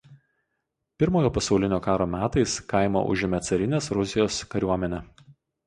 Pirmojo pasaulinio karo metais kaimą užėmė carinės Rusijos kariuomenė.